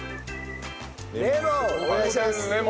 レモンお願いします。